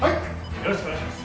よろしくお願いします。